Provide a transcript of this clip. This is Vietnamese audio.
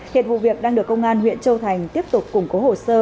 hiện vụ việc đang được công an huyện châu thành tiếp tục củng cố hồ sơ